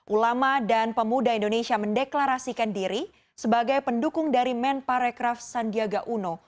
ulama dan pemuda indonesia mendeklarasikan diri sebagai pendukung dari men parekraf sandiaga uno